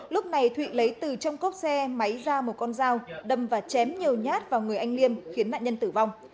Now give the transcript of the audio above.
lúc này thụy lấy từ trong cốp xe máy ra một con dao đâm và chém nhiều nhát vào người anh liêm khiến nạn nhân tử vong